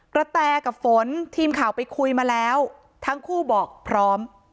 แตกับฝนทีมข่าวไปคุยมาแล้วทั้งคู่บอกพร้อม